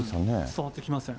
伝わってきません。